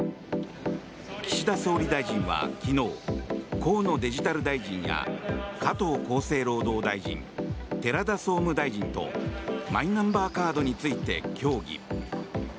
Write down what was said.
岸田総理大臣は昨日河野デジタル大臣や加藤厚生労働大臣寺田総務大臣とマイナンバーカードについて協議。